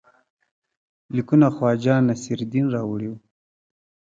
لیکونه خواجه نصیرالدین راوړي وه.